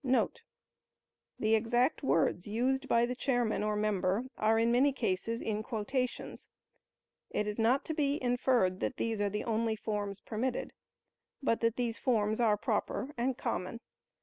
* [The exact words used by the chairman or member, are in many cases in quotations. It is not to be inferred that these are the only forms permitted, but that these forms are proper and common.